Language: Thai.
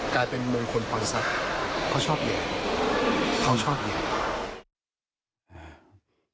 กลายเป็นมงคลพระทรัพย์เขาชอบเนี่ยเขาชอบเนี่ย